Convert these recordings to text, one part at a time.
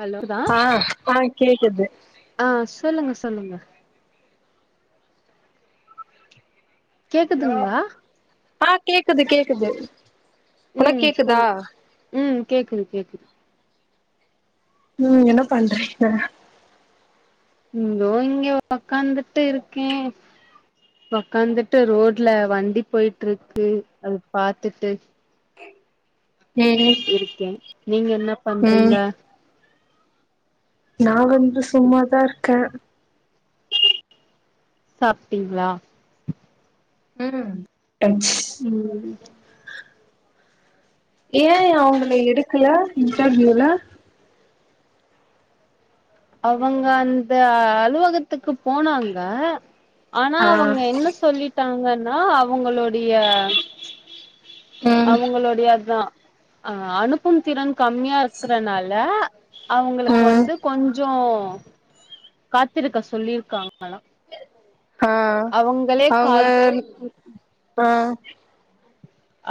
Hello தா ஆ ஆஹ் கேக்குது ல்லுங்க கேக்குதுங்களா ஆஹ் கேக்குது கேக்குது உனக் ம் கேக்குதா சொல் ம் கேக்குது கேக்குது உம் என்ன பண்றீங்க இந்தோ இங்க உக்காந்துட்டு இருக்கேன் உக்காந்துட்டு ரோட்ல வண்டி போயிட்டு இருக்கு அது பாத்துட்டு ம் இருக்கேன் நீங்க என்ன பண்றீங்க நான் வந்து சும்மாதான் இருக்கேன் சாப்பிட்டீங்களா உம் உம் ஏன் அவுங்கள எடுக்கல இன்டர்வியூல அவங்க அந்த அலுவகத்துக்கு போனாங்க ஆனா ஆ அவங்க என்ன சொல்லிட்டாங்கன் னா அவங்களுடைய ம் அவங்களுடைய அதான் அஹ் அனுப்பும் திறன் கம்மியா இருக்குறனால அவங்களுக்கு ம் வந்து கொஞ்சோ கட் த்திருக்க சொல்லியிருக்காங்களா ஆஹ் அவுங்க ஆஹ்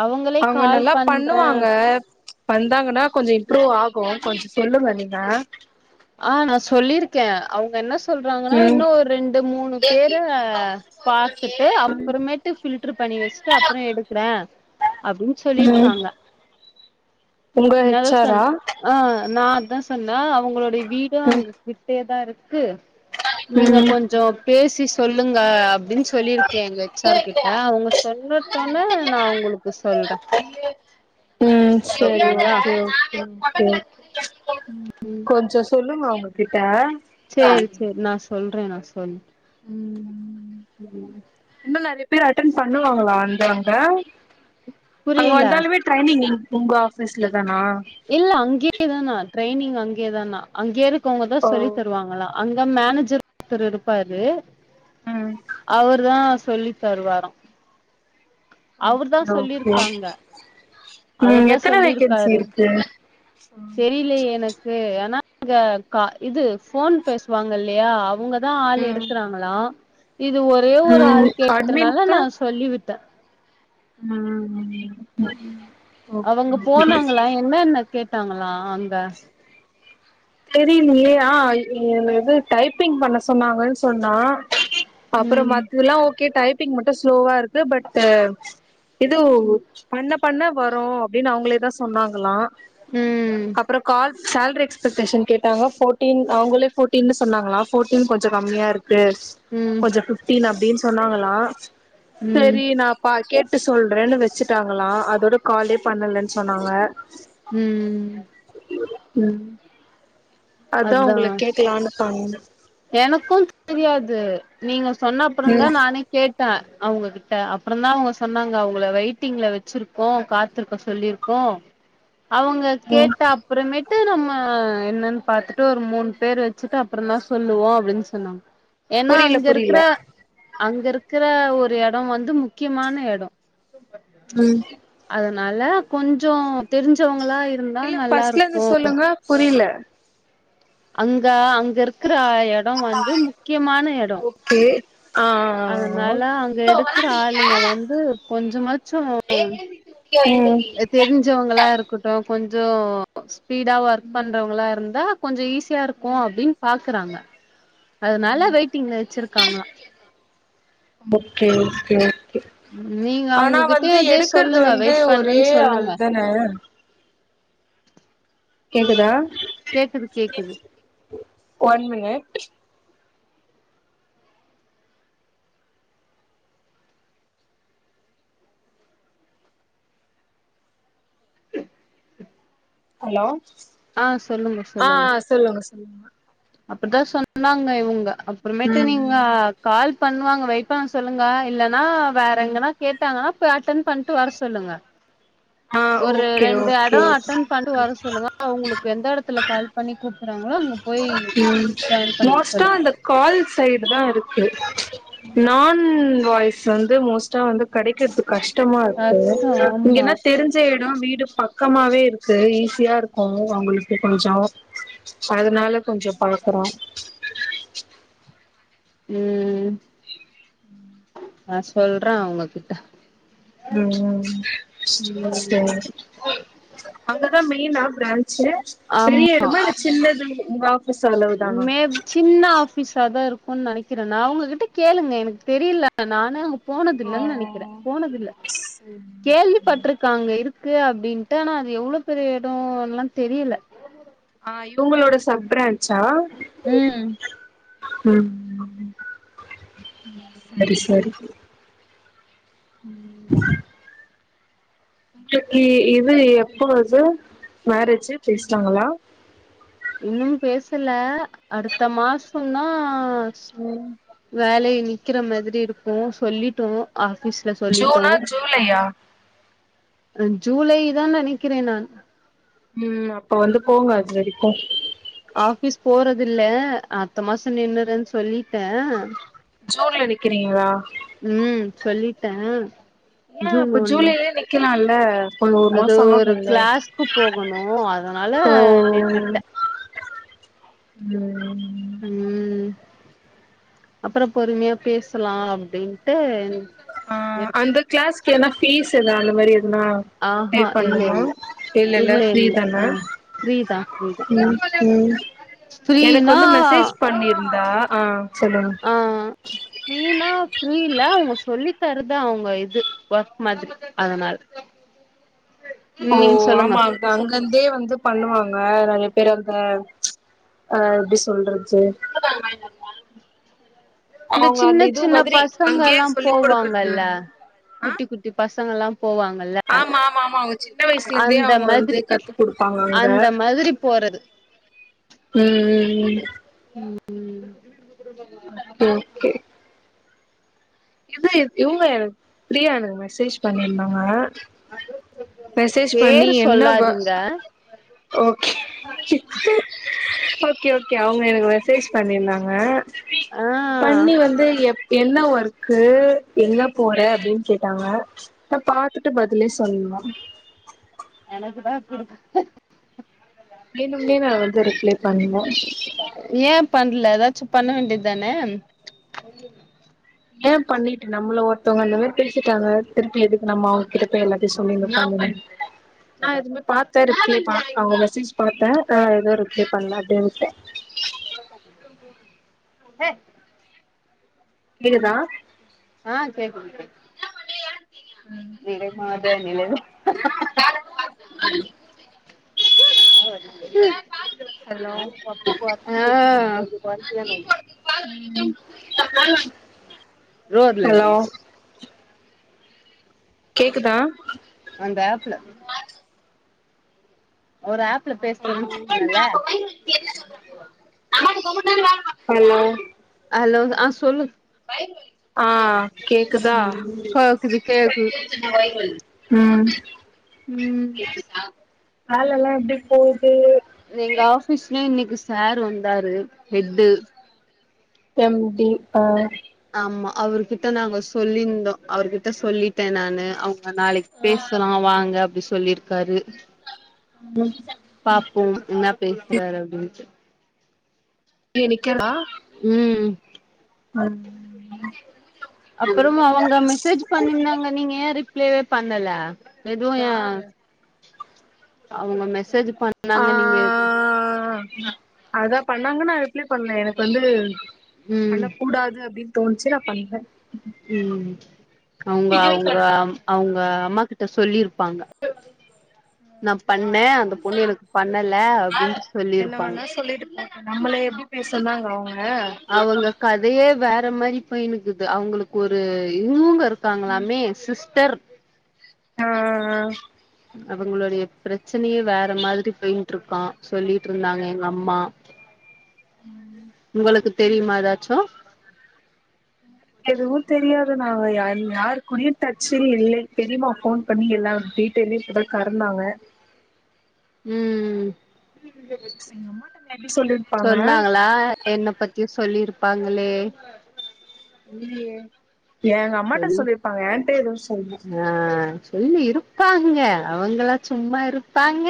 அவங்களே அவங்க கால் நல்லா பண்றே பண்ணுவாங்க வந்தாங்கன்னா கொஞ்சோ இம்ப்ரூவ் ஆகும் கொஞ்சோ சொல்லுங்க நீங்க ஆஹ் நா சொல்லியிருக்கேன் அவுங்க என்ன சொல்றாங்கன்னா ம் இன்னு ஒரு ரெண்டு மூணு பேரு பாத்துட்டு அப்புறமேட்டு ஃபில்டரு பண்ணி வச்சுட்டு அப்புறம் எடுக்குறேன் அப்பிடின்னு ம் சொல்லிருக்காங்க உங்க நா தா ஹெச் ஆரா சொன்னே ஆஹ் நா அதா சொன்னா அவங்களோடைய வீடு ம் அங்க கிட்டயேதா இருக் க்கு நீங்க ம் கொஞ்சோ பேசி சொல்லுங் ங்க அப்பிடின்னு சொல்லிருக்கே எங்க எச் ஆர் கிட்ட அவுங்க சொல்லட்டோன்னே நா உங்களுக்கு சொல்றே ஓக்கேங்களா கே கொஞ்சு சொல்லுங்க அவ கிட்ட சேரி சேரி நா சொல்றேனா சொல் உம் [unintelligible] இப்பவே அட்டன் பண்ணுவாங்களா வந்து அங்க அங்க புரியல வந்தாலுமே ட்ரைனிங்கிங் உங்க ஆபீஸ்ல தானா இல்ல அங்கே தானா ட்ரைனிங் அங்கே தானா அங்கேரு இப்ப அவுங்கதா ஓ சொல்லி தருவாங்களா அங்க மேனேஜர் ஒருத்தரு இருப்பாரு ம் அவுருதா சொல்லி தருவாரா அவுர்தா ஓகே சொல்லிருக்காங்க ம் அவர்தா எத்தன வேகன்சி சொல்லிருக்காரு இருக்கு தெரியிலயே எனக்கு மேம் இது க போன் பேசுவாங்க இல்லையா அவுங்க அதா ஆள் எடுக்குறாங்களா இது ஒரே ஒரு ம் ஆள் கேட்டதுனால நா சொல்லிவிட்டே உம் அவுங்க போனாங்களா என்னா கேட் கேட்டாங்களா அங்க தெரியலையே ஆ இது டைப்பிங் பண்ண சொன்னாங்கன்னு சொன்னுச் நா அப்பறோ ம் மத்ததெல்லா ஓக்கே டைப் டைப்பிங் மட்டு ஸ்லோவா இருக்கு பட்டு எதோ பண்ணப் பண்ணா வரு அப்டின் அவுங்களே தா சொன்னாங்களா ம் அப்ற கால்ஸ் சால்ட்ரி எஸ்பெடேஷன் கேட்டாங்க ஃபோட்டீன் அவுங்களே ஃபோட்டின் சொன்னாங்களா ஃபோட்டின் கொஞ்சோ கம்மியாருக்கு க்கு ம் கொஞ்சோ ஃபிஃப்டீன் அப்டின் சொன்னாங்களா ம் செரி நா பா கேட் சிட்டு சொல்றேன் வச்சுட்டாங்களா அதோட காலே பண்ணலன் சொன்னாங்க ம் ம் அதா உங்கள கேக்கலானு ஆமா எனக்கு தெரியாது நீங்க சொ சொன்ன அப்றதா ம் நானே கேட் த அவங்ககிட்ட அப்ற தா அவங்க சொன்னாங்க அவங்கள வெயிட்டிங்ல வச்சிருக்கோ காத்திருக்க சொல்லிருக்கோ அவங்க ம் கேட்ட அப்றமே ட்டு இது நம்ம என்னன் பாத்துட்டு ஒரு மூணு பேரு வச்சுட்டு அப்ற தா சொல்லுவோ அப்டின் சொன்னா ஏனா புரில அங்க புரில இருக்கற அங்கருக்க இருக்கற ஒரு எடொ வந்து முக்கியமான எடொ ம் னால கொஞ்சோ தெரிஞ்சவங் இல்ல ஃபஸ்ட்லந்து சொல்லுங்க புரியல அங்க அங்கருக் ருக்கற எடம் வந்து முக்கியமான எடொ ஓகே ஆ அதனால அங்க எடுக்கற ஆளுங்க வந்து கொஞ்சமாச்சு ம் தெரிஞ்சவங்களா இருக்கட்டு கொஞ் சோ ஸ்பீடா ஒர்க் பண்றவங்ளா இருந்தா கொஞ்சோ ஈசி யாருக்கு அப்டின் பாக்குறாங்க அதனால வெயிட்டிங்ல வச்சிருக்காங்க ஓகே ஓகே நீங்க ஆனா அவங்ககிட்டயே வந்து இதே எடுக்கறது சொல்லுங்க வந்து வெயிட் ஒரே பண்ணுன்னு ஆள் சொல்லுங்க தான கேக்குதா கேக்குது ஒன் மினிட் ஹலோ ஆஹ் சொல்லுங்க ஆ சொல்லுங்க [unintelligible] அப்படிதான் சொன்னாங்க இவங்க அப்புறமேட்டு நீங்க ம் கால் பண்ணுவாங்க வெயிட் பண்ண சொல்லுங்க இல்ல நா வேற எங்கன்னா கேட்டாங்கனா அட்டன் பண்ட்டு வர சொல்லுங்க ஆ ஒரு ஓகே ரெண்டு ஓகே எடம் ஓகே அட்டன் பண்டு வர சொல்லுங்க உங்களுக்கு எந்த எடத்துல கால் பண்ணி கூப்பிறாங்களோ அங்க போயி் ம் ஜான் பண்ணிக்க மோஸ்ட்டா சொல்லுங்க அந்த கால் சைடு தா இருக்கு நான் வாய்ஸ் வந்து மோஸ்ட்டா வந்து கிடைக்கது கஷ்டமா இருக்கு கஷ்டோ இங்க ஆமா என்ன தெரிஞ்ச இடம் வீடு பக்கமாவே இருக்கு ஈஸியா இருக்கு அவங்களுக்கு கொஞ்ச அதனால கொஞ்ச பழ க்குறோ உம் உம் ஆஹ் சொல்றேன் உங்ககிட்ட உம் ம் சரி அங்கதான் மெய்னா பிர ஆம் பெரிய இடமா இ சின்னது உங்க ஆஃப் மே சின்ன ஆபிஸா தான் இருக்கு ன் நினைக்கிறேன் நான் அவங்ககிட்ட கேளுங்க எனக்கு தெரியல நானு ஓ போனதில்லைன்னு நினைக்கிறேன் போனதில்ல சரி. கேள்விப்பட்டிருக்காங்க இரு இருக்கு அப்படின்ட்டு ஆனா அது எவ்ள பெரிய இடன்லா தெரியல ஆஹ் இவங்களோட சப் பிரான்ச்சா உம் உம் சரி சரி உ உங்கக்கு இது எப்பது மேரேஜு பேசனாங்களா இன்னும் பேசல அடுத்த மாசம்னா வேலை நிக்கிற மாதிரி இருக்கு சொல்லிட்டோ ஆபீஸ்ல சொல்லிட்டோ ஜூனா ஜூலையா ஜூலை தான் நினைக்கிறேன் நான் உம் அப்ப வந்து போங்க அது வரைக்கு அது இல்ல அ டுத்த மாசன் நின்றுன்னு சொல்லி ட ஜூன்ல நிக்கிறீங்களா உம் சொல்லிட்டே ஏன் ஜூன் இப்ப ஒண்ணு ஜூலேலயே நிக்கலாம் அஹ் அது ஒரு கிளாஸ்க்கு போகணும் அதனால நின்னுட்டேன் உம் உம் அப்புறம் பொறுமையா பேசலாம் அப்படின்ட்டு ஆஹ் அந்த கிளாஸ் க ஏனா ஃபீஸ் எதா அந்த மாரி ணா பே ஆஹா இல்ல பண்ணுமா இல்ல இல்ல ஃப்ரீ தானே ஃப்ரீதா ஃப்ரீதா ம் எனக்கு ஃப்ரீனா வந்து மெசேஜ் பண்ணிருந்தா ஆ சொல்லுங்க ஆஹ் ஃப்ரீனா ஃப்ரீல்ல அவுங்க சொல்லி தறது அவங்க இது ஒர்க் மாதிரி அதனால ஓ நீங்க சொல்லுங்க ஆமா அங்கந் இதே வந்து பண்ணுவாங்க நிறைய பேர் அந்த அஹ் எப்டி சொல்றது இந்த அவங்க அந்த சின்ன இது சின்ன மாதிரி அங்கேயே பசங்கலா சொல்லி குடுக்குறது போவாங்கல்ல ஒரு ஆ குட்டி குட்டி பசங்கலாம் ஆமா ஆமா ஆமா அவங்க சின்ன வயசுல இருந்தே அந்த அவங்க வந்து மாதிரி கத்து கொடுப்பாங்க அவங்க அந்த மாதிரி போறது உஹம் ம் உம் ம் கே ஓகே இது இவங்க எனக்கு ஃப்ரீயாங்க மெசேஜ் பண்ணிருந்தாங்க மெசேஜ் பண்ணி பேரு என்னவ சொல்லாதீங்க ஓகே ஓகே ஓகே அவங்க எனக்கு மெசேஜ் பண்ணிருந்தாங்க ஆ பண்ணி வந்து எ என்ன ஒரு க்கு எங்க போற அப்டின் கேட்டாங்க நான் பார்த்துட்டு பதிலே சொல்லுல எனக்கு தான் கொடுக்கும் பண்ண ஏன் பண்ல ஏதாச்சும் பண்ண வேண்டியது தானே ஏன் பண்ணிட்டு நம்மள ஒருத்தவங்க அந்த மாரி பேசிட்டாங்க திருப்பி எதுக்கு நம்ம அவங்க கிட்ட போய் எல்லாத்தையும் சொல்லினு உக்காந்து இருக் நான் எதுவுமே பாத்தே ரிப்ளே அவங்க மெசேஜ் பாத்தேன் போதா ஆஹ் அதா ரிப்ளை பண்ணாதன்ட [inaudible] கேக்குதா ஆ கேக்குது கே நிறை மாத நிலவே ஹலோ [inaudible] அ [unintelligible] ரோட்ல ஹலோ நின்னு கேக்குதா அந்த ஆப்ல ஒரு ஆப் ல பேசறேன்னு சொன்னல ஹலோ ஹலோ ஆ சொல்லு ஆ ஆ கேக்குதா ம் கேக்குது கேக்குது ம் ம் வேலலா எப்டி போது எங்க ஆஃபீஸ்ல இன்னைக்கு சார் வந்தாரு ஹெட்டு எம் டி அ ஆமா அவர்கிட்ட நாங்க சொல்லியிந்தோ அவர்கிட்ட சொல்லிட்ட நானு நாளைக்கு பேசலா வாங்க அப்டி சொல்லிருக் காரு ம் பாப்போ இன்னாப் பேசுறாரு அப்டின்ட்டு வேலய நிக்குற ம் ம் அப்புறோ அவுங்க மெசேஜ் பண்ணியிருந்தாங்க நீங்க ஏ ரிப்ளை பண்ணல எதுவோ ஏ யாரு அவுங்க மெசேஜ் ஆ பண்ணாங்க நீங்க பண்ணாங்கன்னா ரிப்ளை பண்ணு எனக்கு வந்து ம் அல்ல கூடாது அப்டின் தோன்ச்சு அப்ப அந்த உம் அவுங்க அவுங்க அவுங்க அம்மா கிட்ட சொ சொல்லியிருப்பாங்க நா பண்ணேன் அந்த பொண்ணு எனக்கு பண்ணல அப்டின்ட்டு சொல்லி இருப்பாங்க நம்மளே எப்டி பேசுந்தாங்க ஏ [unintelligible] அவுங்க கதையே வேற மாதிரி பயனுக்குது அவங்களுக்கு ஒரு இவுங்க இருக்காங்களாமே சிஸ்டர் அ அ அ அவுங்களுடைய ப்ரச்சனையே வேற மாதிரி போய்கிட்டு இருக்கா சொல்லிட்டு இருந்தாங்க எங்க அம்மா உங்களுக்கு தெரியுமா எதாச்சு எதுவு தெரியாதது நாங்க யாரையு யார்க்குடயு டச்சு இல்லை தெரியுமா போன் பண்ணி எல்லாட்டயு தெளிவிப்ப [unintelligible] கருன்னாங்க உம் ம் எங்க அம்மாட்ட மேபி சொல்லிருப்பாங்க சொன்னாங்களா என்ன பத்தியு சொல்லிருக் பாங்கலே உம் ம் ஏங்க அம்மாட்ட சொல்லு சொல்லியிருப்பாங்க என்ட்ட எதுவு சொல்லல ஆ சொல்லி இருப்பாங்க அவுங்களா சும்மா இருப்பாங்க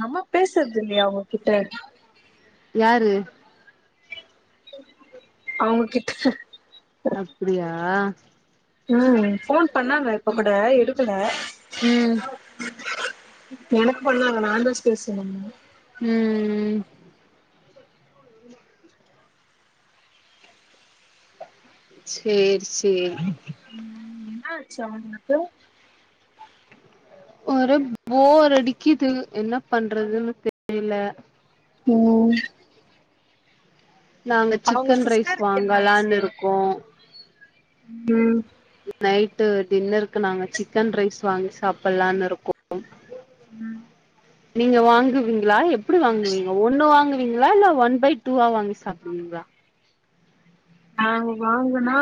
நம்ம பேசுறது இல்லையே அவுங்ககிட்ட யாரு அவுங்க கிட்ட அப்டியா உம் போன் பண்ணாங்க அப்பக்கூட எடுக்கல ம் எனக்கு பண்ணாங்க நாந்த பேசுணோம் உம் ம் சேரி சேரி ஆச்ச வந்தபோ ஒரு ஃபோர் அடிக்குது என்ன பண்றதுன்னு தெரில உம் நாங்க சிக்கன் ரைஸ் சிஸ்டருக்கு வாங்கலானு இருக்கோ உம் நைட்டு டின்னருக்கு நாங்க சிக்கன் ரைஸ் வாங்கி சாப்பிடலானு இருக்கோ உம் நீங்க வாங்குவீங்ளா எப்படி வாங்குவீங்க ஒன்னு வாங்கு இல்ல ஒன் பை டூவா வாங்கி சாப்பிடுவிங்ளா நாங்க வாங்கனா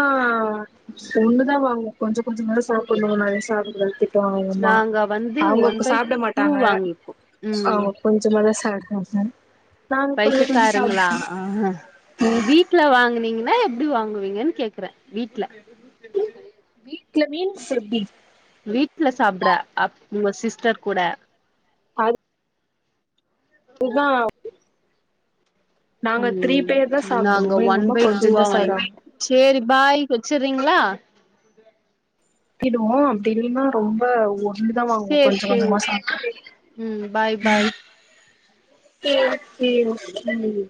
ஒண்ணுதா வாங்குவோ கொஞ்சோ கொஞ்சமா சாப்பிடணு நெறய சாப்பிடக்கூடாது தெ ட்டுவாங்கமா நாங்க வந்து ஒன் அவுங்க பை சாப்பிட டூ மாட்டாங்க வாங்கிப்போ ம் அவுங்க கொஞ்சமாதா ச [unintelligible] பைத்தக்கருங்களா ம் வீட்ல வாங்கனீங் கனா எப்படி வாங்குவீங்கனு கேக்குற வீட்ல வீட்ல மீன்ஸ் எப்படி வீட்ல சாப்பிடற அஹ் உங்க சிஸ் டர் கூட அது இதா ம் பேர் தா நாங்க சாப்டுவோ எங்க ஒன் அம்மா பை கொஞ்சந்தா டூவா வாங்கி சாப்டுவாங்க செரி பாய் வெச்சறீங்ளா கட்டிடுவோ அப்டி இல்லைனா ரொம்ப ஒ இப்படிதா வாங்குவோ ஆ சேரி கொஞ்ச சேரி கொஞ்சமா சாப்பிட்டா ம் பாய் பாய் உம் சேரி சேரி உம்